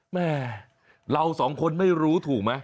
แม่เราสองคนไม่รู้ถูกไหม